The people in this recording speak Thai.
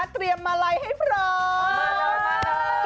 เตรียมอะไรให้ปรอบ